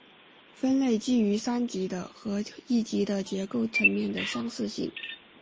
分类基于三级的和一级的结构层面的相似性。